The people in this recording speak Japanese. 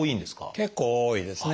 結構多いですね。